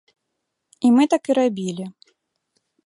І мы так і рабілі.